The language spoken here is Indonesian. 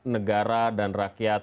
negara dan rakyat